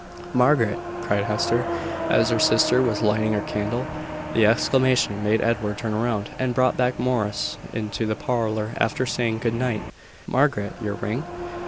"Margaret!" cried Hester, as her sister was lighting her candle. The exclamation made Edward turn round, and brought back Morris into the parlour after saying `Good night.' "Margaret! your ring?"